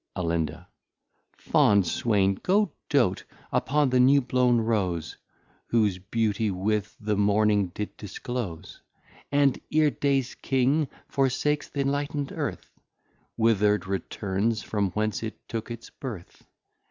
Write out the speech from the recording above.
Alin. Fond Swain, go dote upon the new blown Rose, Whose Beauty with the Morning did disclose, And e're Days King forsakes th'enlighted Earth, Wither'd, returns from whence it took its Birth.